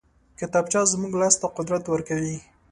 کتابچه زموږ لاس ته قدرت ورکوي